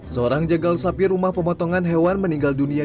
seorang jegal sapi rumah pemotongan hewan meninggal dunia